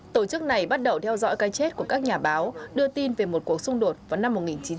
tổ chức này bắt đầu theo dõi cái chết của các nhà báo đưa tin về một cuộc xung đột vào năm một nghìn chín trăm bảy mươi